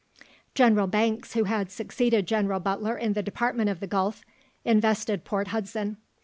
General Banks, who had succeeded General Butler in the Department of the Gulf, invested Port Hudson.